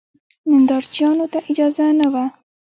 نندارچیانو ته اجازه نه وه.